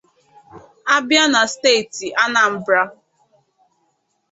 a bịa na steeti Anambra